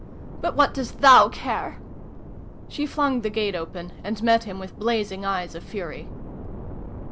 But what does tkou care ?" She flung the gate open, and met him with blazing eyes of fury.